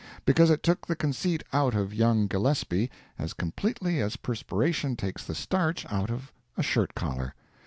Because it took the conceit out of young Gillespie as completely as perspiration takes the starch out of a shirt collar.